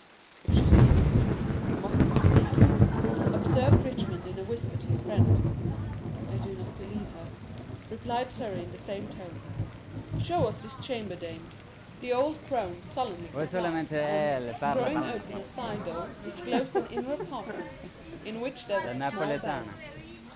"If she speaks the truth, you must be mistaken," observed Richmond in a whisper to his friend. "I do not believe her," replied Surrey, in the same tone. "Show us his chamber, dame." The old crone sullenly complied, and, throwing open a side door, disclosed an inner apartment, in which there was a small bed.